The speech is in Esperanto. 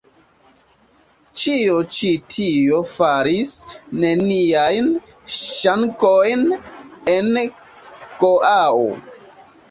Ĉio ĉi tio faris neniajn ŝanĝojn en Goao.